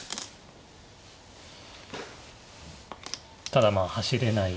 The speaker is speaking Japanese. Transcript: ただまあ走れない。